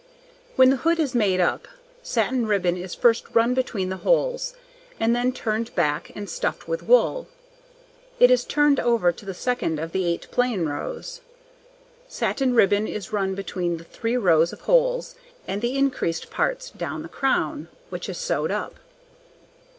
When the hood is made up, satin ribbon is first run between the holes, and then turned back, and stuffed with wool. It is turned over to the second of the 8 plain rows. Satin ribbon is run between the 3 rows of holes and the increased parts down the crown, which is sewed up.